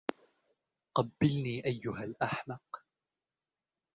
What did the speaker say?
قبّلني ايها الأحمق.